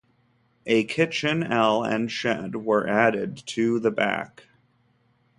A kitchen ell and shed were added to the back.